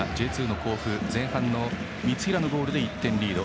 Ｊ２の甲府は前半の三平のゴールで１点リード。